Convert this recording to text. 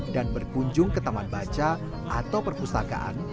dan berkunjung ke taman baca atau perpustakaan